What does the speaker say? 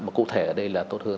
mà cụ thể ở đây là tốt hơn